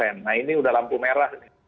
nah ini udah lampu merah